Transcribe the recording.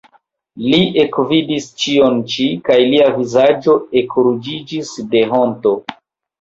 Li ekvidis ĉion ĉi, kaj lia vizaĝo ekruĝiĝis de honto.